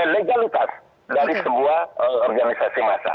legalitas dari sebuah organisasi massa